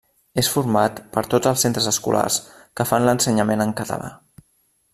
És format per tots els centres escolars que fan l'ensenyament en català.